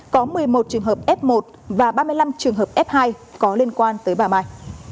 có một mươi một trường hợp f một và ba mươi năm trường hợp f hai có liên quan tới bà mai